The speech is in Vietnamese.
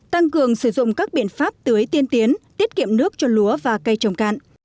tăng cường sử dụng các biện pháp tưới tiên tiến tiết kiệm nước cho lúa và cây trồng cạn